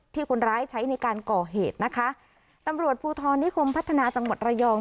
คนร้ายใช้ในการก่อเหตุนะคะตำรวจภูทรนิคมพัฒนาจังหวัดระยอง